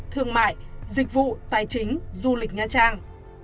thương mại dịch vụ tài chính du lịch nha trang